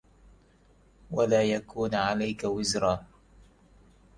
وَلَا يَكُونَ عَلَيْك وِزْرًا